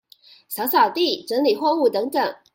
掃掃地、整理貨物等等